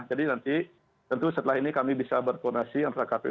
jadi nanti tentu setelah ini kami bisa berkonasi antara kpu